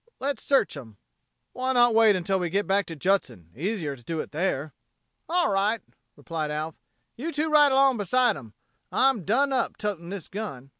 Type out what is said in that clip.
"Let's search 'em." "Why not wait until we get back to Judson? Easier to do it there." "All right," replied Alf. "You two ride along beside 'em. I'm done up totin' this gun."